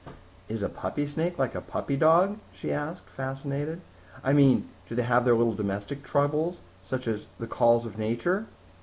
"Is a puppy snake like a puppy dog?" she asked, fascinated. "I mean, do they have their little domestic troubles, such as the calls of nature?"